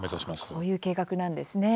こういう計画なんですね。